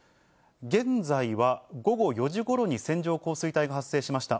現在は午後４時ごろに線状降水帯が発生しました。